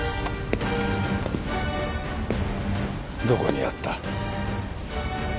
どこにあった？